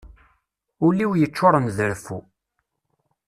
Ul-iw yeččuren d reffu.